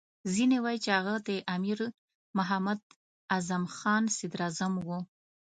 ځینې وایي چې هغه د امیر محمد اعظم خان صدراعظم وو.